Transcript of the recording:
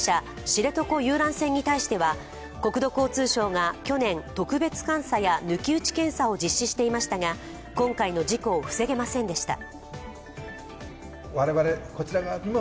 知床遊覧船に対しては国土交通省が去年、特別監査や抜き打ち検査を実施していましたが、今回の事故を防げませんでした。